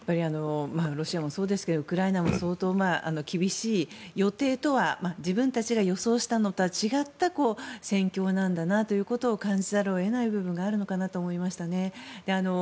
ロシアもそうですがウクライナも相当厳しい自分たちが予想したのとは違った戦況なんだなと感じざるを得ない部分があるのかなと思いましたね。